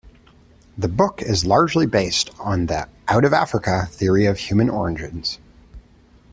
The book is largely based on the "out of Africa" theory of human origins.